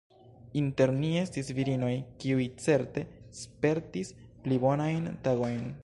Inter ni estis virinoj, kiuj certe spertis pli bonajn tagojn.